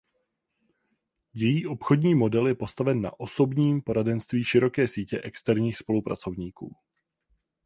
Její obchodní model je postaven na osobním poradenství široké sítě externích spolupracovníků.